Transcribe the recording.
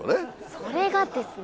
それがですね。